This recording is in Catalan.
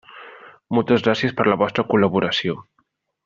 Moltes gràcies per la vostra col·laboració.